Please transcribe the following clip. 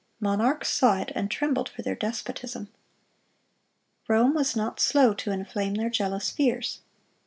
Monarchs saw it, and trembled for their despotism. Rome was not slow to inflame their jealous fears.